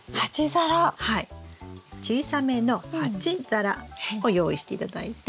小さめの鉢皿を用意して頂いて。